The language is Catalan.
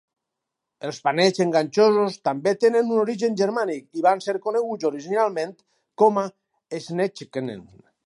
Els panets enganxosos també tenen un origen germànic i van ser coneguts originalment com a "Schnecken".